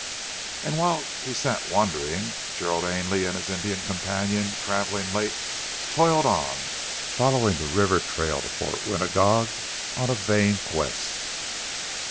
And whilst he sat wondering, Gerald Ainley and his Indian companion, travelling late, toiled on, following the river trail to Fort Winagog on a vain quest.